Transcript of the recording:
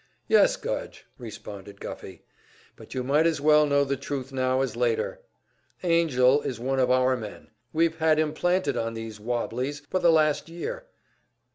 "Yes, Gudge," responded Guffey, "but you might as well know the truth now as later Angell is one of our men; we've had him planted on these `wobblies' for the last year."